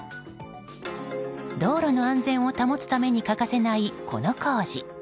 道路の安全を保つために欠かせない、この工事。